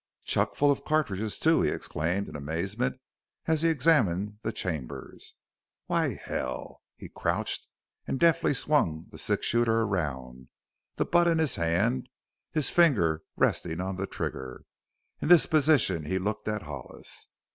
"Chuck full of cattridges, too!" he exclaimed in amazement, as he examined the chambers. "Why, hell " He crouched and deftly swung the six shooter around, the butt in his hand, his finger resting on the trigger. In this position he looked at Hollis.